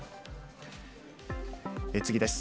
次です。